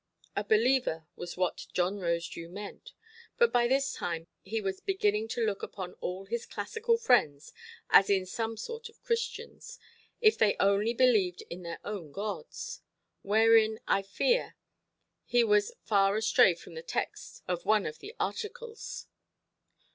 A believer was what John Rosedew meant. But by this time he was beginning to look upon all his classical friends as in some sort Christians, if they only believed in their own gods. Wherein, I fear, he was far astray from the text of one of the Articles.